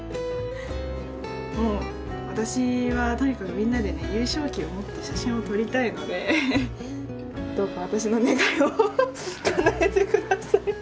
もう私はとにかくみんなでね優勝旗を持って写真を撮りたいのでどうか私の願いをかなえて下さい。